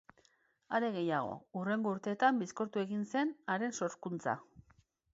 Are gehiago, hurrengo urteetan bizkortu egin zen haren sorkuntza.